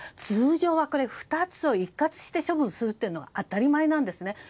通常は２つを一括して処分するというのは当たり前なんですね。